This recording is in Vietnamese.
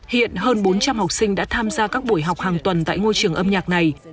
hiện hơn bốn trăm linh học sinh đã tham gia các buổi học hàng tuần tại ngôi trường âm nhạc này